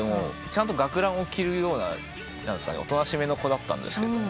ちゃんと学ランを着るようなおとなしめの子だったんですけど。